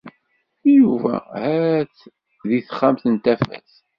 Yuba ha-t di texxamt n Tafat.